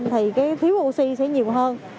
thì thiếu oxy sẽ nhiều hơn